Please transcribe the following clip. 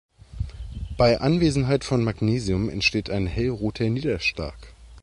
Bei Anwesenheit von Magnesium entsteht ein hellroter Niederschlag.